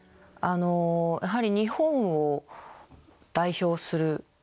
やはり日本を代表する